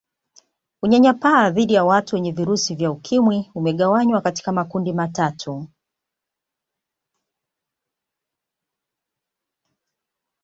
Unyanyapaa dhidi ya watu wenye virusi vya Ukimwi umegawanywa katika makundi matatu